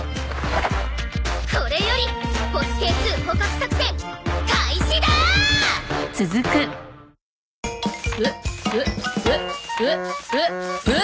これよりボスＫ−２捕獲作戦開始だーっ！